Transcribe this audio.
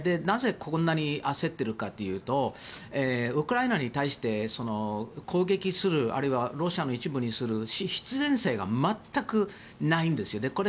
なぜ、こんなに焦っているかというとウクライナに対して攻撃する、あるいはロシアの一部にする必然性が全くないんですよね。